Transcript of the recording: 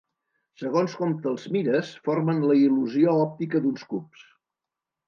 Segons com te'ls mires, formen la il·lusió òptica d'uns cubs.